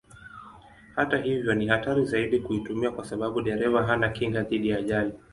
Hata hivyo ni hatari zaidi kuitumia kwa sababu dereva hana kinga dhidi ya ajali.